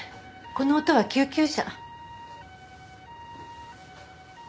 この音は救急車。